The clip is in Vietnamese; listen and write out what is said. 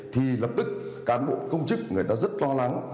thì lập tức cán bộ công chức người ta rất lo lắng